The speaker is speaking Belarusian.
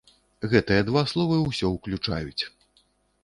Гэтыя два словы ўсё ўключаюць.